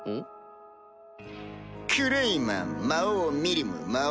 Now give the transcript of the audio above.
クレイマン魔王ミリム魔王